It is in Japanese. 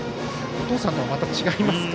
お父さんとはまた違いますか。